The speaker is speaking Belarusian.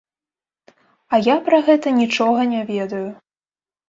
А я пра гэта нічога не ведаю.